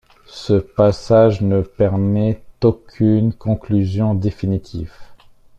Ce passage ne permet aucune conclusion définitive.